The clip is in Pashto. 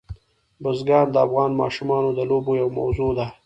بزګان د افغان ماشومانو د لوبو یوه موضوع ده.